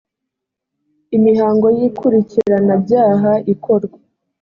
imihango y ikurikiranabyaha ikorwa